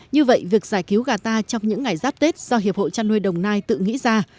như vậy việc giải cứu gà ta trong những ngày giáp tết do hiệp hội trăn nuôi đồng nai tự nghĩ ra